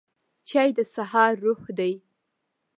چای د سهار روح دی